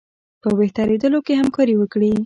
په بهترېدلو کې همکاري وکړي.